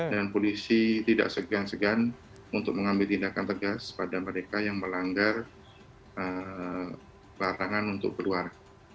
dan polisi tidak segan segan untuk mengambil tindakan tegas pada mereka yang melanggar barangan untuk keluar